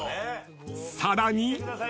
［さらに］